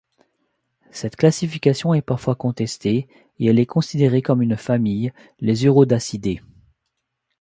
Cette classification est parfois contestée et elle est considérée comme une famille les Urodacidae.